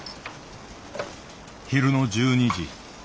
昼の１２時。